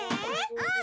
うん！